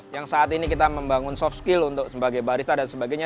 yang saat ini kita membangun soft skill untuk sebagai barista dan sebagainya